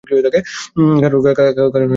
কারন আমি বললাম তাই।